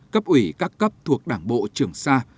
cấp ủy các cấp thuộc đảng bộ trường sa